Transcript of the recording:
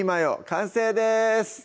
完成です